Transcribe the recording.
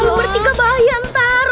kalo bertiga bahaya ntar